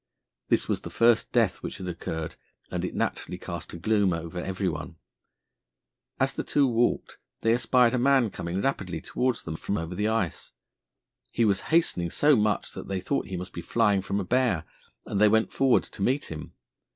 This was the first death which had occurred, and it naturally cast a gloom over every one. As the two walked, they espied a man coming rapidly towards them from over the ice. He was hastening so much that they thought he must be flying from a bear, and they went forward to meet him.